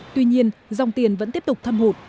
tuy nhiên dòng tiền vẫn tiếp tục thăm hụt